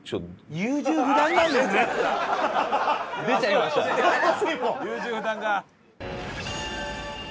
優柔不断が。